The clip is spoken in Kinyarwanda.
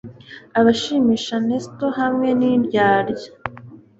abashimisha nestle hamwe nindyarya